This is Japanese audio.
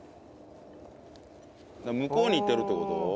向こうにいってるって事？